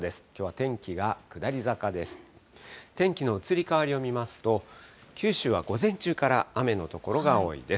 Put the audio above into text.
天気の移り変わりを見ますと、九州は午前中から雨の所が多いです。